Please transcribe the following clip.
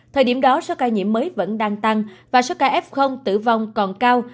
thời điểm đó số ca nhiễm mới vẫn đang tăng và số ca f tử vong còn cao